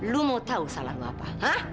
lu mau tahu salah lo apa